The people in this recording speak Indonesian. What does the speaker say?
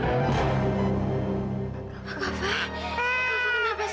kava kenapa sih kamu masih menangis